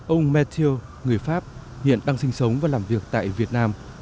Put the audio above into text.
ông mathieo người pháp hiện đang sinh sống và làm việc tại việt nam